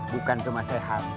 bukan cuma sehat